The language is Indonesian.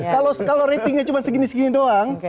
kalau ratingnya cuma segini segini doang